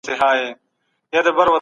د پوهنې وزارت نشرات په کومو ژبو خپریږي؟